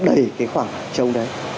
đầy cái khoảng trông đấy